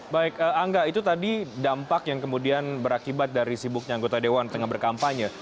baik angga itu tadi dampak yang kemudian berakibat dari sibuknya anggota dewan tengah berkampanye